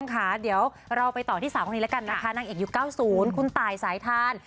ค่ะเดี๋ยวเราไปต่อที่สาวคนนี้แล้วกันนะคะนางเอกยุค๙๐คุณตายสายทาน